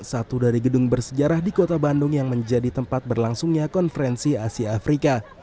satu dari gedung bersejarah di kota bandung yang menjadi tempat berlangsungnya konferensi asia afrika